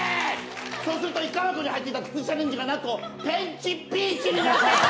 そうするとイカ箱に入っていた靴下にんじんがなんと、ペンチピーチになっている！